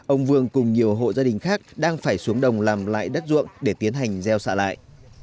ông vương cùng nhiều hộ gia đình khác đang phải xuống đồng làm lại đất ruộng để tiến hành gieo xạ lại